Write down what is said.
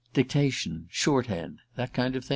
Dictation, short hand that kind of thing?"